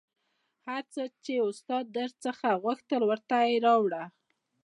هر څه چې استاد در څخه غوښتل ورته یې راوړه